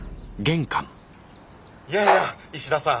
やあやあ石田さん。